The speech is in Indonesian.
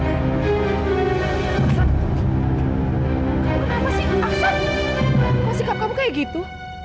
kok sikap kamu kayak gitu